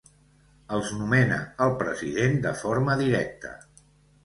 Els nomena el president de forma directa.